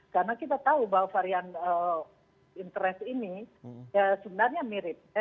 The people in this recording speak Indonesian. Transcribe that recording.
karena kita tahu bahwa varian interest ini sebenarnya mirip